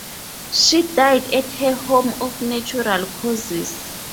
She died at her home of natural causes.